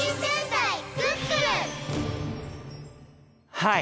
はい。